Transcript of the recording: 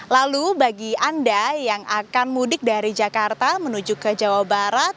lalu bagi anda yang akan mudik dari jakarta menuju ke jawa barat